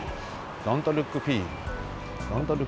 ドントルックフィール。